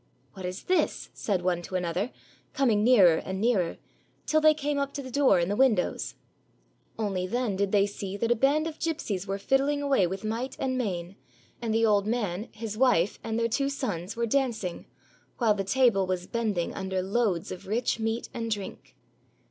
"What is this?" said one to another, coming nearer and nearer, till they came up to the door and the win dows. Only then did they see that a band of gypsies were fiddling away with might and main, and the old man, his wife, and their two sons were dancing, while the table was bending under loads of rich meat and drink.